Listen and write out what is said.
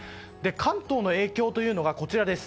関東の影響というのはこちらです。